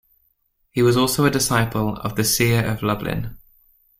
He was also a disciple of the Seer of Lublin.